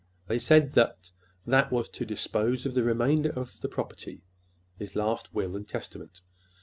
They said that that was to dispose of the remainder of the property—his last will and testament."